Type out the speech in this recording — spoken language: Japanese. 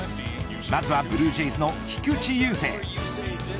まずはブルージェイズの菊池雄星。